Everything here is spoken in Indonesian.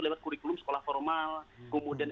lewat kurikulum sekolah formal kemudian